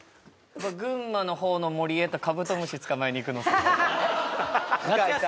群馬のほうの森へとカブトムシつかまえに行くのさ向井さん